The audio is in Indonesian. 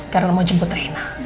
karena mau jemput reina